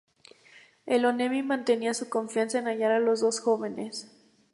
La Onemi mantenía su confianza en hallar a los dos jóvenes.